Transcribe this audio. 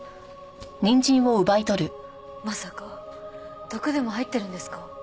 まさか毒でも入ってるんですか？